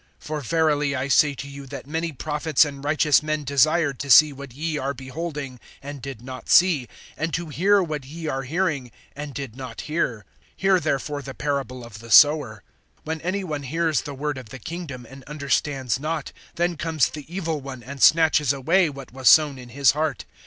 (17)For verily I say to you, that many prophets and righteous men desired to see what ye are beholding, and did not see, and to hear what ye are hearing, and did not hear. (18)Hear therefore the parable of the sower. (19)When any one hears the word of the kingdom, and understands not, then comes the evil one and snatches away what was sown in his heart.